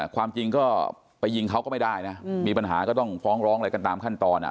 ความจริงก็ไปยิงเขาก็ไม่ได้นะมีปัญหาก็ต้องฟ้องร้องอะไรกันตามขั้นตอน